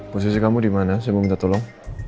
posisi kamu dimana saya mau minta tolong